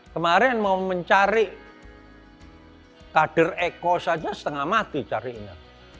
kemarin mau mencari kader eko saja setengah mati carinya